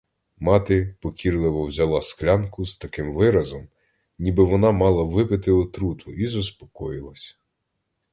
Мати покірливо взяла склянку з таким виразом, ніби вона мала випити отруту, і заспокоїлась.